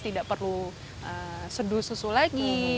tidak perlu seduh susu lagi